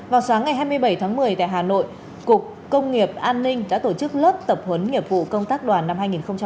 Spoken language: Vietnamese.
vào sáng ngày hai mươi bảy tháng một mươi tại hà nội cục công nghiệp an ninh đã tổ chức lớp tập huấn nghiệp vụ công tác đoàn năm hai nghìn hai mươi